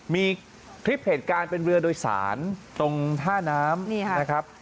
มีคลิปเหตุการณ์เป็นเรือโดยสารตรงท่าน้ำนะครับ